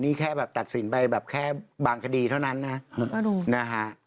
นี่แค่แบบตัดสินไปแบบแค่บางคดีเท่านั้นนะนะฮะ